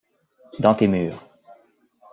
Dans tes murs.